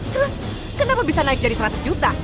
terus kenapa bisa naik jadi seratus juta